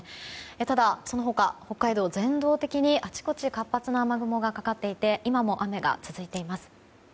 ただ、その他、北海道全道的にあちこちで活発な雨雲がかかっていて今も雨が続いています。